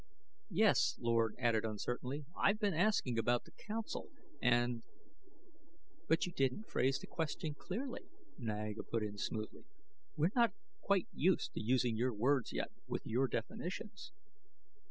"Yes," Lord added uncertainly, "I've been asking about the council and " "But you didn't phrase your question clearly," Niaga put in smoothly. "We're not quite used to using your words yet with your definitions."